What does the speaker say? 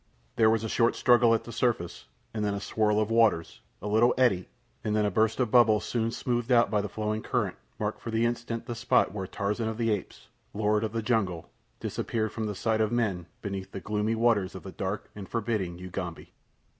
There was a short struggle at the surface, and then a swirl of waters, a little eddy, and a burst of bubbles soon smoothed out by the flowing current marked for the instant the spot where Tarzan of the Apes, Lord of the Jungle, disappeared from the sight of men beneath the gloomy waters of the dark and forbidding Ugambi.